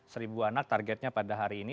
seribu anak targetnya pada hari ini